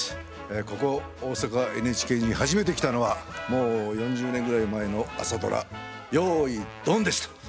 ここ大阪ＮＨＫに初めて来たのはもう４０年ぐらい前の朝ドラ「よーいドン」でした。